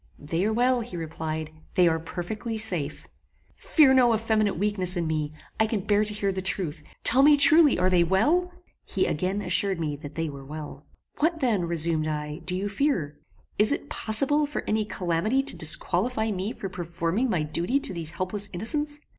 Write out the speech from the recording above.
"They are well," he replied; "they are perfectly safe." "Fear no effeminate weakness in me: I can bear to hear the truth. Tell me truly, are they well?" He again assured me that they were well. "What then," resumed I, "do you fear? Is it possible for any calamity to disqualify me for performing my duty to these helpless innocents?